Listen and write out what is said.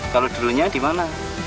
kalau dulunya di mana